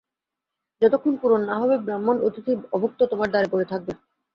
যতক্ষণ পূরণ না হবে, ব্রাহ্মণ অতিথি অভুক্ত তোমার দ্বারে পড়ে থাকবে।